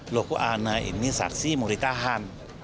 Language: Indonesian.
lohko ana ini saksi mau ditahan